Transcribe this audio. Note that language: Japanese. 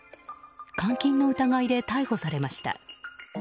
監禁の疑いで逮捕されました。